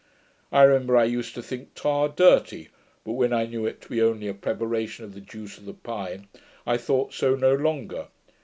I remember I used to think tar dirty; but when I knew it to be only a preparation of the juice of the pine, I thought so no longer.